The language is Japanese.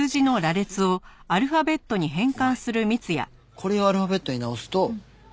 これをアルファベットに直すと。